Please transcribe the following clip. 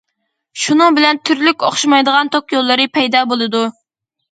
شۇنىڭ بىلەن تۈرلۈك ئوخشىمايدىغان توك يوللىرى پەيدا بولىدۇ.